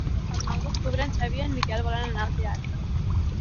El nou d'octubre en Xavi i en Miquel volen anar al teatre.